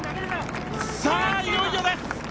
さあ、いよいよです。